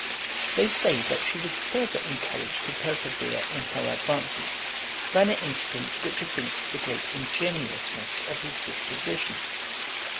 They say, that she was farther encouraged to persevere in her advances, by an incident which evinced the great ingenuousness of his disposition.